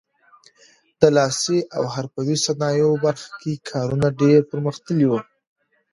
د لاسي او حرفوي صنایعو برخه کې کارونه ډېر پرمختللي وو.